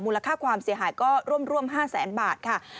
ค่าความเสียหายก็ร่วม๕แสนบาทค่ะ